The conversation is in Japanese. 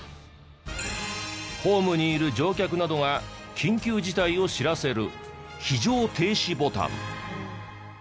ホームにいる乗客などが緊急事態を知らせる非常停止ボタン。